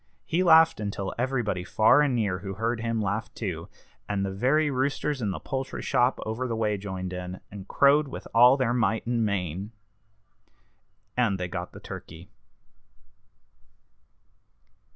He laughed until everybody far and near who heard him laughed too, and the very roosters in the poultry shop over the way joined in, and crowed with all their might and main. And they got the turkey.